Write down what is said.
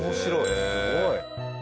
すごい。